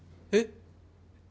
えっ？